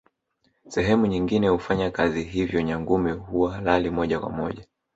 Sehemu nyingine hufanya kazi hivyo Nyangumi huwa halali moja kwa moja